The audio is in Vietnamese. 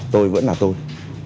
tôi vẫn là tôi